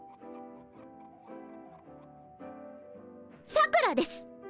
さくらです！